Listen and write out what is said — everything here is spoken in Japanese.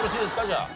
じゃあ。